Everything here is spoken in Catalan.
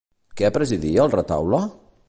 Què presidia el retaule?